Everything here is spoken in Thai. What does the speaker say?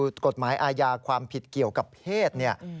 กฎหมายดูกฎหมายอาญาความผิดเกี่ยวกับเพศ